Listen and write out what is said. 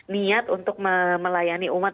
niat untuk melayani umat